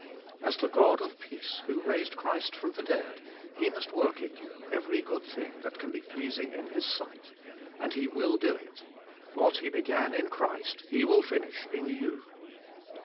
As the God of peace, who raised Christ from the dead, He must work in you every good thing that can be pleasing in His sight. And He will do it. What He began in Christ, He will finish in you.